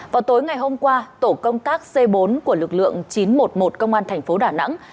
vào tối ngày hôm qua tổ công tác c bốn của lực lượng chín trăm một mươi một công an thành phố đà nẵng